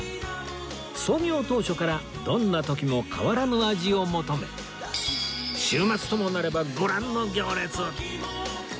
創業当初からどんな時も変わらぬ味を求め週末ともなればご覧の行列